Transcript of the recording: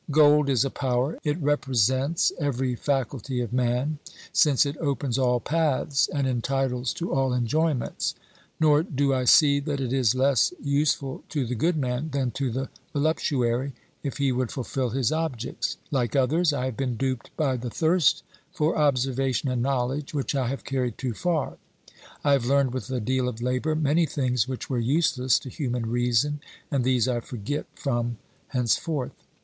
Gold is a power, it reprel sents every faculty of man, since it opens all paths and en titles to all enjoyments; nor do I see that it is less usefu to the good man than to the voluptuary, if he would fulfil his objects. Like others, I have been duped by the thirst 314 OBERMANN for observation and knowledge, which I have carried too far. I have learned with a deal of labour many things which were useless to human reason, and these I forget from henceforth.